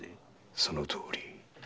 そのとおり。